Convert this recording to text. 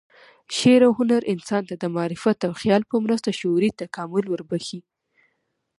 شعر و هنر انسان ته د معرفت او خیال په مرسته شعوري تکامل وربخښي.